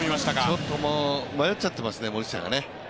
ちょっと迷っちゃってますね、森下が。